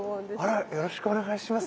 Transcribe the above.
あらよろしくお願いします。